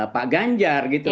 pak ganjar gitu